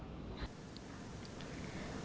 hoặc đồng pháp tội